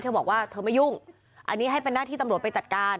เธอบอกว่าเธอไม่ยุ่งอันนี้ให้เป็นหน้าที่ตำรวจไปจัดการ